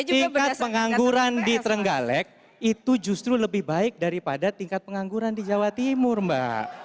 tingkat pengangguran di trenggalek itu justru lebih baik daripada tingkat pengangguran di jawa timur mbak